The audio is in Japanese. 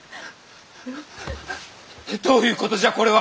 どういうことじゃこれは。